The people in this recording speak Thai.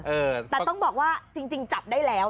เออแต่ต้องบอกว่าจริงจับได้แล้ว